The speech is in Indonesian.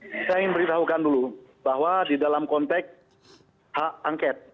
saya ingin memberitahukan dulu bahwa didalam konteks hak angket